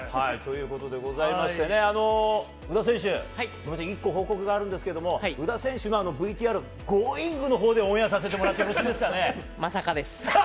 宇田選手、１個報告があるんですけど、宇田選手のＶＴＲ『Ｇｏｉｎｇ！』のほうでオンエアさせてもらってもよろしいですか？